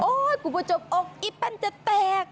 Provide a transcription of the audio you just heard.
โอ้ยกูประจบอกไอ้ปันจะแตก